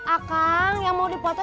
akang yang mau dipoto